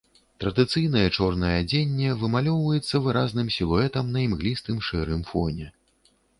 Традыцыйнае чорнае адзенне вымалёўваецца выразным сілуэтам на імглістым шэрым фоне.